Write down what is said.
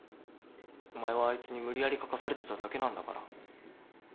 お前はあいつに無理やり書かされてただけなんだから。